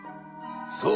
そう。